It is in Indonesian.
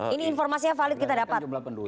ini informasinya valid kita dapat